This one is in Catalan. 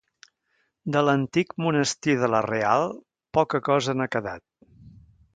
De l'antic monestir de la Real poca cosa n'ha quedat.